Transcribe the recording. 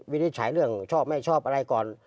วิธีแฉแล่งชอบไม่ชอบอะไรก่อน